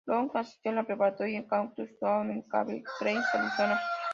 Long Asistió a la preparatoria Cactus Shadows en Cave Creek, Arizona.